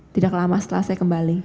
tidak lama setelah saya kembali